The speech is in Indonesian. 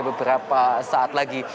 beberapa saat lagi